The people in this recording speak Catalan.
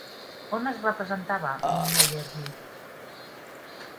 On es representava Meyerbeer?